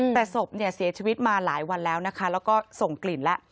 แต่ศพเนี่ยเสียชีวิตมาหลายวันแล้วนะคะแล้วก็ส่งกลิ่นแล้ว